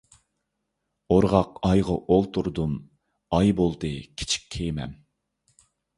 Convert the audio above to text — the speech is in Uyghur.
ئورغاق ئايغا ئولتۇردۇم، ئاي بولدى كىچىك كېمەم.